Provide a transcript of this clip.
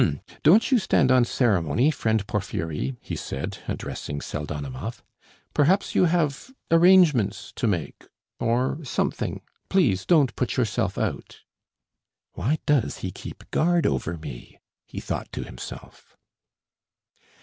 "Hm! Don't you stand on ceremony, friend Porfiry," he said, addressing Pseldonimov. "Perhaps you have ... arrangements to make ... or something ... please don't put yourself out." 'Why does he keep guard over me?'" he thought to himself.